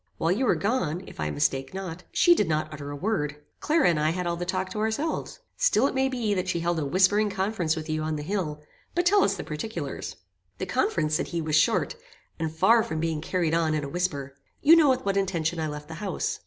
While you were gone, if I mistake not, she did not utter a word. Clara and I had all the talk to ourselves. Still it may be that she held a whispering conference with you on the hill; but tell us the particulars." "The conference," said he, "was short; and far from being carried on in a whisper. You know with what intention I left the house.